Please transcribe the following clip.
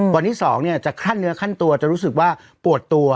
วันที่๒จะคลั่นเนื้อขั้นตัวจะรู้สึกว่าปวดตัว